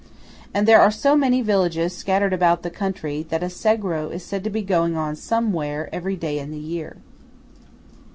And there are so many villages scattered about the country, that a Sagro is said to be going on somewhere every day in the year.